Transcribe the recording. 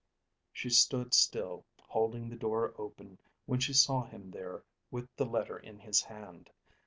She stood still holding the door open when she saw him there with the letter in his hand.